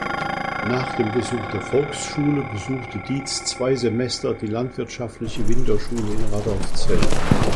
Nach dem Besuch der Volksschule besuchte Diez zwei Semester die landwirtschaftliche Winterschule in Radolfzell.